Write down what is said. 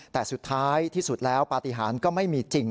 แต่สุดท้ายที่สุดแล้วปฏิหารก็ไม่มีจริง